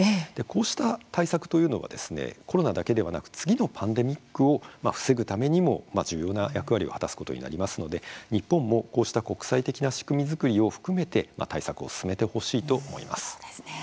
こうした対策というのはコロナだけはでなく次のパンデミックを防ぐためにも重要な役割を果たすことになりますので日本も、こうした国際的な仕組み作りを含めて対策を進めてほしいと思います。